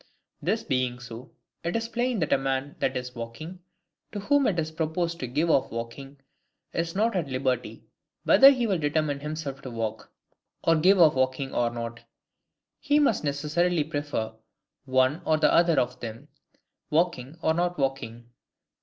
This being so, it is plain that a man that is walking, to whom it is proposed to give off walking, is not at liberty, whether he will determine himself to walk, or give off walking or not: he must necessarily prefer one or the other of them; walking or not walking.